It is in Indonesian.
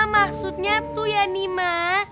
maksudnya tuh ya nih ma